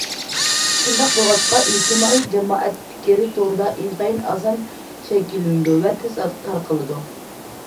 شۇنداق بولغاچقا ئىجتىمائىي جامائەت پىكرى توردا ئىنتايىن ئاسان شەكىللىنىدۇ ۋە تېز تارقىلىدۇ.